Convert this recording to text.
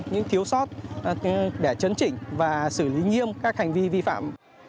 những thiếu sót để chấn chỉnh và xử lý nghiêm các hành vi vi phạm